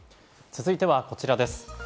続いてはこちらです。